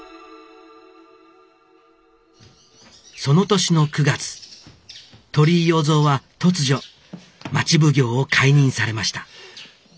その年の９月鳥居耀蔵は突如町奉行を解任されました